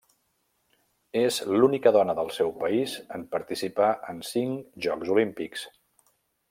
És l'única dona del seu país en participar en cinc Jocs Olímpics.